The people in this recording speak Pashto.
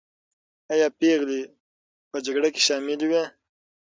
آیا پېغلې په جګړه کې شاملي وې؟